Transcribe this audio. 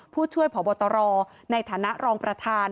ผู้ช่วยผอบตรในฐานะรองประธาน